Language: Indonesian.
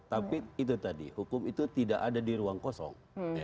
tapi itu tadi hukum itu tidak ada di ruang kosong